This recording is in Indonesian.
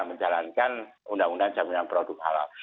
menjalankan undang undang jaminan produk halal